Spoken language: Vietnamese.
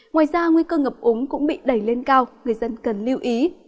ngoài ra nguy cơ ngập úng cũng bị đẩy lên cao người dân cần lưu ý